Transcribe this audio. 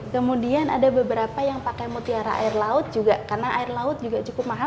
kemudian ada beberapa yang pakai mutiara air laut juga karena air laut juga cukup mahal